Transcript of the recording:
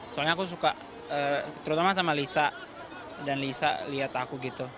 soalnya aku suka terutama sama lisa dan lisa lihat aku gitu